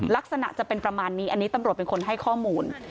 ลักษณะจะเป็นประมาณนี้อันนี้ตำรวจเป็นคนให้ข้อมูล